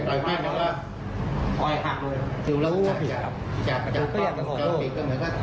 ถ้าเขาไม่มาด่าผมก็ไม่รู้จัก